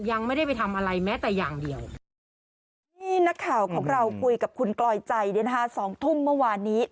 ยังไม่ได้ไปทำอะไรแม้แต่อย่างเดียว